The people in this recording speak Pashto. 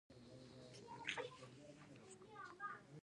تاریخ د راتلونکي جوړونکی دی.